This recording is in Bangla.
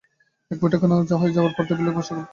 এক বৈঠক খানা হয়ে যাওয়ার পর টেবিলে বসে গল্পস্বল্প হচ্ছিল।